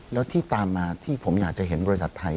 แล้วที่ตามมาที่ผมอยากจะเห็นบริษัทไทย